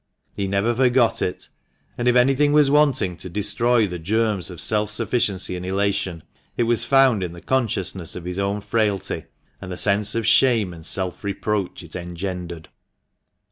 He never forgot it. And if anything was wanting to destroy the germs of self sufficiency and elation, it was found in the consciousness of his own frailty, and the sense of shame and self reproach it engendered.